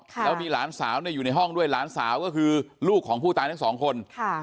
แล้วมีหลานสาวอยู่ในห้องด้วยหลานสาวก็คือลูกของผู้ตายทั้งสองคน